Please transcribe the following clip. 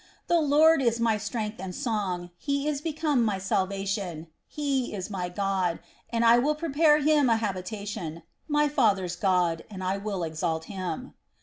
"The Lord is my strength and song, and he is become my salvation: he is my God, and I will prepare him an habitation; my father's God, and I will exalt him.